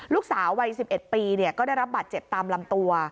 ลูกสาววัย๑๑ปีก็ได้รับบาดเจ็บตามลำตัว